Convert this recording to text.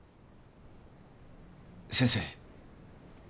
先生。